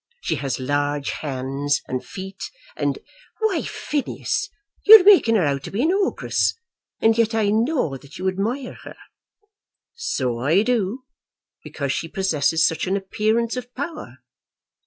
She has large hands and feet, and " "Why, Phineas, you are making her out to be an ogress, and yet I know that you admire her." "So I do, because she possesses such an appearance of power.